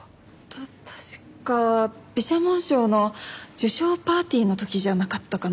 確か美写紋賞の受賞パーティーの時じゃなかったかな。